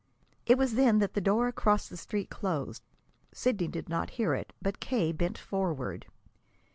It was then that the door across the street closed. Sidney did not hear it, but K. bent forward.